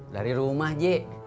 dari rumah jik